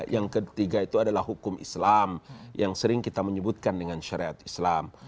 yang ketiga itu adalah hukum islam yang sering kita menyebutkan dengan syariat islam